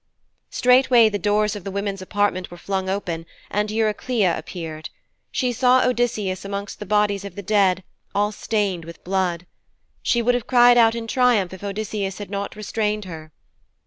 Straightway the doors of the women's apartment were flung open, and Eurycleia appeared. She saw Odysseus amongst the bodies of the dead, all stained with blood. She would have cried out in triumph if Odysseus had not restrained her.